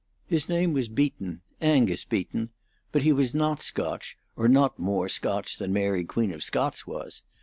His name was Beaton Angus Beaton; but he was not Scotch, or not more Scotch than Mary Queen of Scots was.